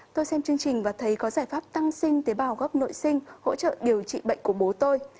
tôi xem chương trình và thấy có giải pháp tăng sinh tế bào gốc nội sinh hỗ trợ điều trị bệnh của bố tôi